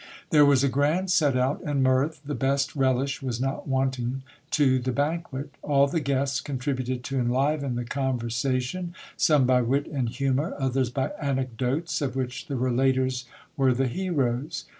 There was a grand set out, and mirth, the best relish, was not wanting to the banquet All the guests contributed to enliven the conversation, some by wit and humour, others by anecdotes of which the relaters were the heroes.